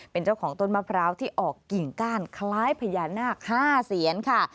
เป็นเจ้าของต้นมะพร้าวที่ออกกิ่งก้านคล้ายพญานาค๕เสียนค่ะ